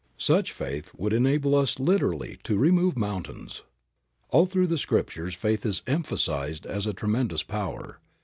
Such faith would enable us literally to remove mountains. All through the Scriptures faith is emphasized as a tremendous power.